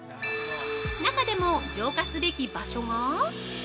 中でも、浄化すべき場所が◆